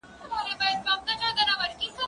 زه به سبا سندري واورم!؟